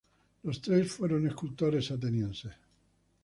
Los tres fueron escultores atenienses.